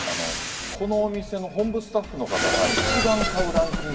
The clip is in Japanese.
このお店の本部スタッフの方が一番買うランキング